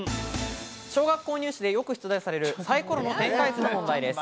小学校入試でよく出題されるサイコロの展開図に関する問題です。